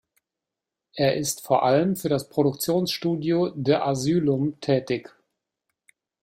Er ist vor allem für das Produktionsstudio The Asylum tätig.